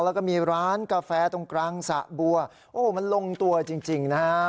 แล้วก็มีร้านกาแฟตรงกลางสระบัวโอ้โหมันลงตัวจริงนะฮะ